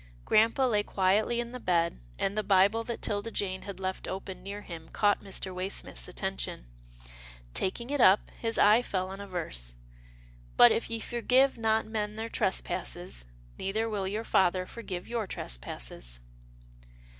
Grampa lay quietly in the bed, and the Bible that 'Tilda Jane had left open near him caught Mr. Waysmith's attention. Taking it up, his eye fell on a verse, " But if ye forgive not men their tres passes, neither will your Father forgive your trespasses."